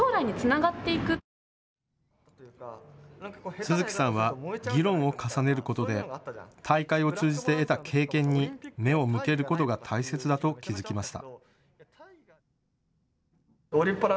都築さんは議論を重ねることで、大会を通じて得た経験に目を向けることが大切だと気付きました。